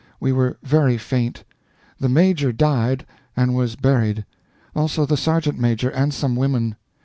We were very faint. The Major died, and was buried; also the Sergeant major and some women.